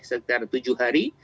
setiap tujuh hari